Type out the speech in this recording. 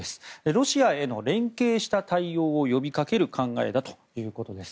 ロシアへの連携した対応を呼びかける考えだということです。